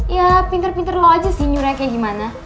ya pinter pinter lo aja sih nyuranya kayak gimana